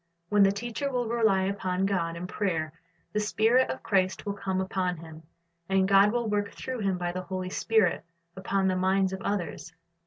When the teacher will rely upon God in prayer, the Spirit of Christ will come up on him, and God will work through him by the Holy Spirit upon the minds of others.